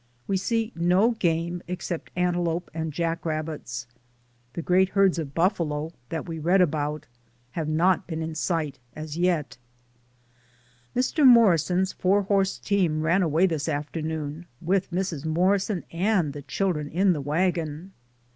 We see no game except antelope and jack rabbits. The great herds of bufTalo — DAYS ON THE ROAD. 119 that we read about — have not been in sight as yet. Mr. Morrison's four horse team ran away this afternoon with Mrs. Morrison and the children in the wagon.